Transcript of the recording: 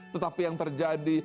tetapi yang terjadi